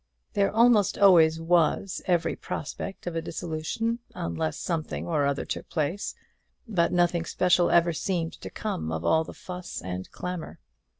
There almost always was every prospect of a dissolution unless something or other took place; but nothing special ever seemed to come of all the fuss and clamour.